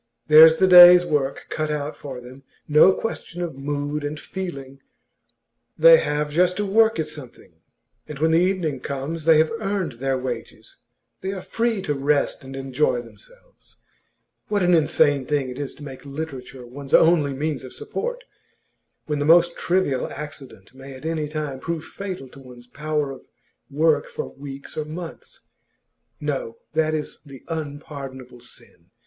There's the day's work cut out for them; no question of mood and feeling; they have just to work at something, and when the evening comes, they have earned their wages, they are free to rest and enjoy themselves. What an insane thing it is to make literature one's only means of support! When the most trivial accident may at any time prove fatal to one's power of work for weeks or months. No, that is the unpardonable sin!